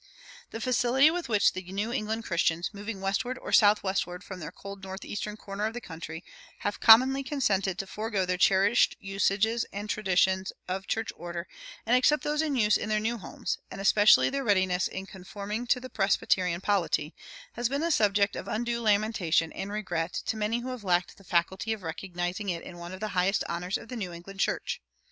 The facility with which the New England Christians, moving westward or southwestward from their cold northeastern corner of the country, have commonly consented to forego their cherished usages and traditions of church order and accept those in use in their new homes, and especially their readiness in conforming to the Presbyterian polity, has been a subject of undue lamentation and regret to many who have lacked the faculty of recognizing in it one of the highest honors of the New England church.